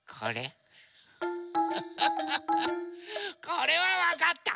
これはわかった。